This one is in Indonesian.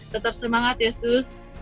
tetap semangat yesus